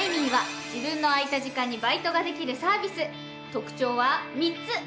特徴は３つ！